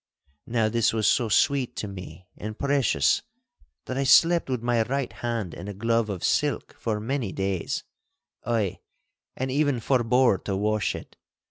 Now this was so sweet to me and precious, that I slept with my right hand in a glove of silk for many days—ay, and even forbore to wash it.